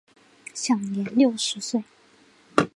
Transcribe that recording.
享年六十岁。